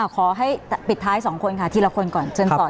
ขอให้ปิดท้าย๒คนค่ะทีละคนก่อนเชิญต่อ